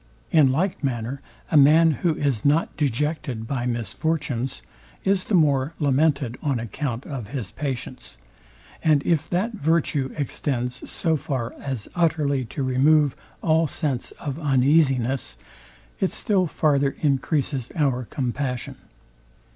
In like manner a man, who is not dejected by misfortunes, is the more lamented on account of his patience; and if that virtue extends so far as utterly to remove all sense of uneasiness, it still farther encreases our compassion.